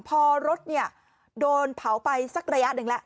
พอรถโดนเผาไปสักระยะหนึ่งแล้ว